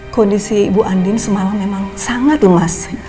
kondisi ibu andin semalam memang sangat lemas